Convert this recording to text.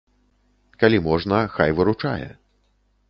Калі можна, хай выручае.